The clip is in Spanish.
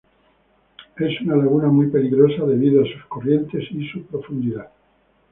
Es una laguna muy peligrosa debido a sus corrientes y su profundidad.